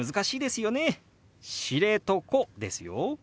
「知床」ですよ。